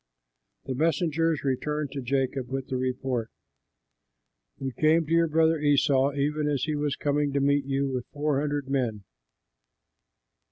'" The messengers returned to Jacob with the report, "We came to your brother Esau, even as he was coming to meet you with four hundred men."